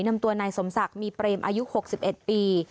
นำตัวนายสมศักดิ์มีเปรมอายุ๖๑ปี